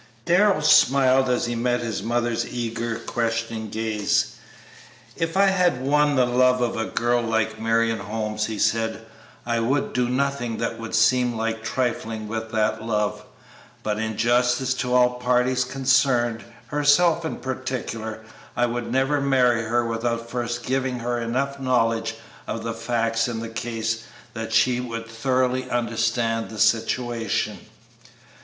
Darrell smiled as he met his mother's eager, questioning gaze. "If I had won the love of a girl like Marion Holmes," he said, "I would do nothing that would seem like trifling with that love; but, in justice to all parties concerned, herself in particular, I would never marry her without first giving her enough knowledge of the facts in the case that she would thoroughly understand the situation."